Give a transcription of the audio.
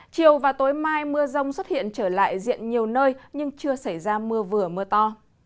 chiều và tối mai mưa rông xuất hiện trở lại diện nhiều nơi nhưng chưa xảy ra mưa vừa mưa to